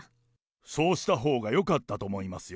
そうしたほうがよかったと思いますよ。